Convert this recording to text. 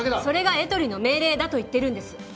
それがエトリの命令だと言ってるんです